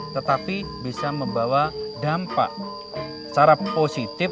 tetapi bisa membawa dampak secara positif